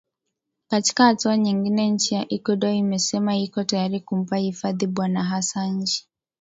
katika hatua nyingine nchi ya ecuador imesema iko tayari kumpa hifadhi bwana hassanji